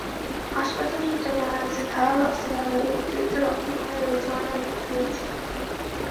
হাসপাতাল সূত্রে জানা গেছে, ধারালো অস্ত্রের আঘাতে অতিরিক্ত রক্তক্ষরণে রেজোয়ানের মৃত্যু হয়েছে।